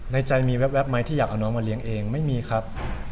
ในใจมีแว๊บไหมที่อยากเอาน้องมาเลี้ยงเองไม่มีครับ